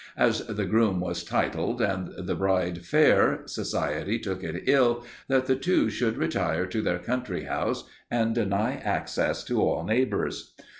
As the groom was titled and the bride fair, society took it ill that the two should retire to their country house and deny access to all neighbours.